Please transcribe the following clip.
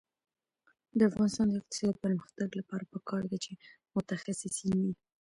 د افغانستان د اقتصادي پرمختګ لپاره پکار ده چې متخصصین وي.